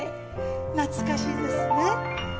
懐かしいですね。